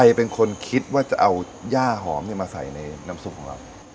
ใครเป็นคนคิดว่าจะเอาย่าหอมมาใส่ในน้ำซุปของเรา